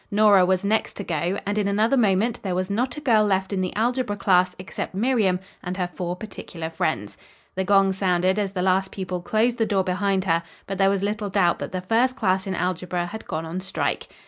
Nora was next to go and in another moment there was not a girl left in the algebra class except Miriam and her four particular friends. The gong sounded as the last pupil closed the door behind her, but there was little doubt that the first class in algebra had gone on a strike.